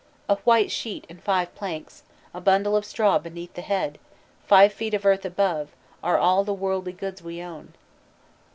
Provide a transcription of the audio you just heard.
"A white sheet and five planks, A bundle of straw beneath the head, Five feet of earth above Are all the worldly goods we own."